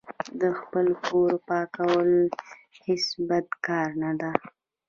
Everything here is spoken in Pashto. د خپل کور پاکول هیڅ بد کار نه ده.